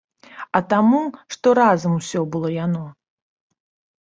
А таму, што разам усё было яно.